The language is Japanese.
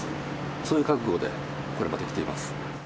そういう覚悟でこれまで来ています。